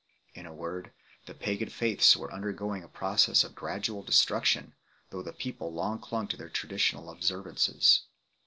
In a word, the pagan faiths were undergoing a process of gradual destruction, though the people long clung to their traditional observances.